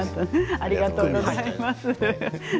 ありがとうございます。